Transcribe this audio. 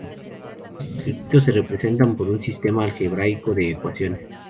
Estos circuitos se representan por un sistema algebraico de ecuaciones.